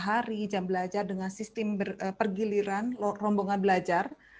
jadi pembelajaran jumlah hari jam belajar dengan sistem pergiliran rombongan belajar